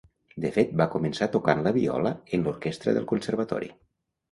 De fet va començar tocant la viola en l'orquestra del Conservatori.